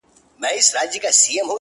هله تياره ده په تلوار راته خبري کوه ـ